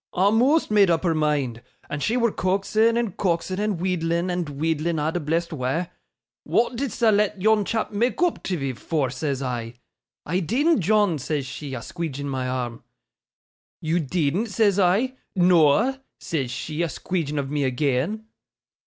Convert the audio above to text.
'A'most made up her mind! And she wur coaxin', and coaxin', and wheedlin', and wheedlin' a' the blessed wa'. "Wa'at didst thou let yon chap mak' oop tiv'ee for?" says I. "I deedn't, John," says she, a squeedgin my arm. "You deedn't?" says I. "Noa," says she, a squeedgin of me agean.